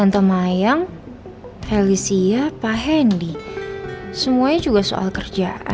atau jangan jangan pak nino salah ya